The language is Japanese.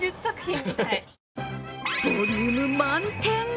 ボリューム満点！